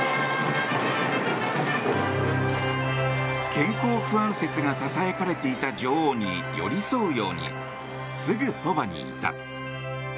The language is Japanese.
健康不安説がささやかれていた女王に寄り添うようにすぐそばにいた。